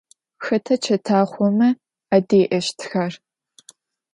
Xeta çetaxhome adê'eştxer?